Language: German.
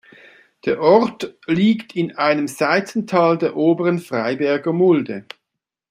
Der Ort liegt in einem Seitental der oberen Freiberger Mulde.